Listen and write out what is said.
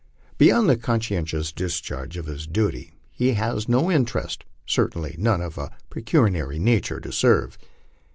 Beyond the con scientious discharge of his duty he has no interest, certainly none of a pe cuniary nature, to serve.